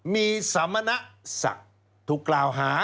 มีสมณศักดิ์ถูกกล่าวหา